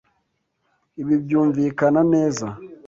Ibi byumvikana neza.